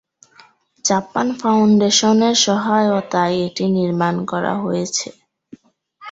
Japan ফাউন্ডেশনের সহায়তায় এটি নির্মাণ করা হয়েছে।